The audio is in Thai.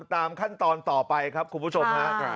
ตามขั้นตอนต่อไปครับคุณผู้ชมฮะ